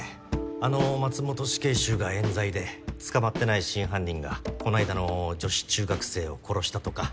あの松本死刑囚がえん罪で捕まってない真犯人がこないだの女子中学生を殺したとか？